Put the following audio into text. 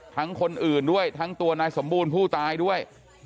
คนอื่นด้วยทั้งตัวนายสมบูรณ์ผู้ตายด้วย